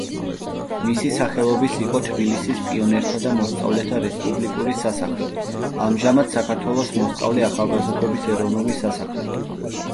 მისი სახელობის იყო თბილისის პიონერთა და მოსწავლეთა რესპუბლიკური სასახლე, ამჟამად საქართველოს მოსწავლე-ახალგაზრდობის ეროვნული სასახლე.